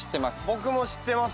僕も知ってます。